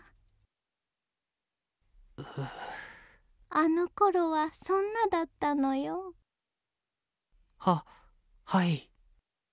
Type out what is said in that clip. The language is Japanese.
あのころはそんなだったのよ。ははい。